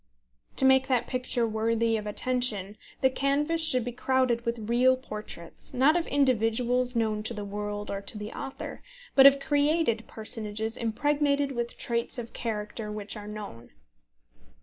To make that picture worthy of attention, the canvas should be crowded with real portraits, not of individuals known to the world or to the author, but of created personages impregnated with traits of character which are known.